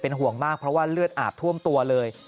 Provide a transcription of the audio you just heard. ห่วงมากเพราะว่าเลือดอาบท่วมตัวเลย